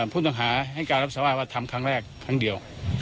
ผู้ต้องหาให้การรับสารภาพว่าทำครั้งแรกครั้งเดียว